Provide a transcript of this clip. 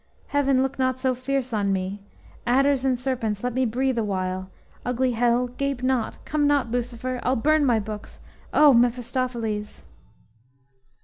heaven, look not so fierce on me, Adders and serpents, let me breathe awhile; Ugly hell gape not; come not, Lucifer; I'll burn my books; oh! Mephistopheles!"